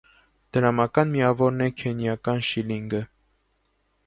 Դրամական միավորն է քենիական շիլլինգը։